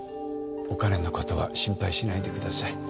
お金のことは心配しないでください。